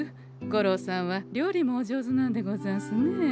五郎さんは料理もお上手なんでござんすね。